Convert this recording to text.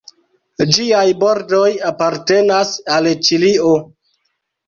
Ĝiaj bordoj apartenas al Ĉilio.